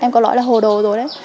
em có nói là hồ đồ rồi đấy